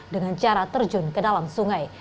dengan cara terjun ke dalam sungai